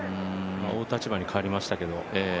追う立場に変わりましたけど。